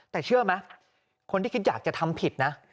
แต่เชื่อไหมคนที่คิดอยากจะทำผิดนะ